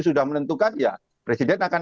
sudah menentukan ya presiden akan